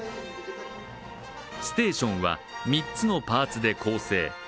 ステーションは、３つのパーツで構成。